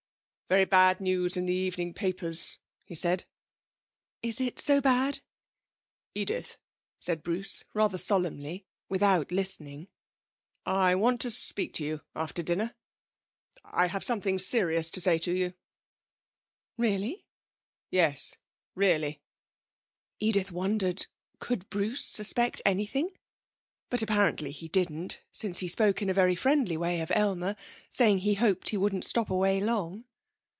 'Very bad news in the evening papers,' he said. 'Is it so bad?' 'Edith,' said Bruce, rather solemnly, without listening, 'I want to speak to you after dinner. I have something serious to say to you'. 'Really?' 'Yes, really.' Edith wondered. Could Bruce suspect anything? But apparently he didn't, since he spoke in a very friendly way of Aylmer, saying that he hoped he wouldn't stop away long....